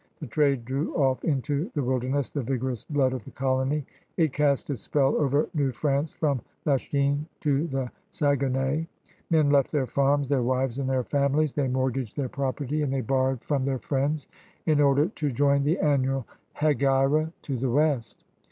The trade drew off into the wilderness the vigorous blood of the colony. It cast its spell over New France from Lachine to the Saguenay. Men left their farms, their wives, and their families, they mortgaged their property, and they borrowed from their friends in order to join the annual h^gira THE COUREURS DE BOIS 179 to the West.